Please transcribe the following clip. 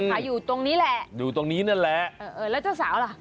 อยู่ตรงนี้แหละอยู่ตรงนี้นั่นแหละเออเออแล้วเจ้าสาวล่ะ